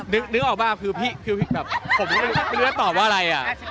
นึกออกว่าผมไม่รู้ว่าตอบว่าอะไร